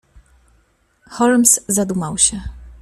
"Holmes zadumał się."